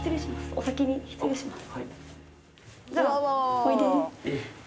お先に失礼します